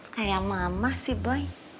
kayak mama sih boy